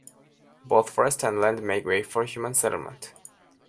Both forests and land make way for human settlement.